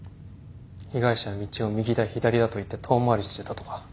被害者は道を右だ左だと言って遠回りしてたとか。